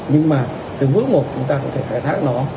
nhưng mà từng bước một chúng ta có thể khai thác nó